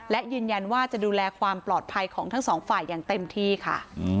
และยืนยันว่าจะดูแลความปลอดภัยของทั้งสองฝ่ายอย่างเต็มที่ค่ะ